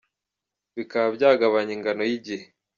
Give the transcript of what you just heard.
bikaba byagabanya ingano y'igihe